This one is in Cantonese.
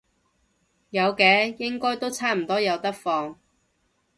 有嘅，應該都差唔多有得放